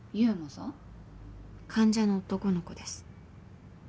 患者の男の子です。